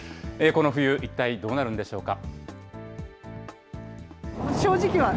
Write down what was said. この冬、一体どうなるんでしょうか。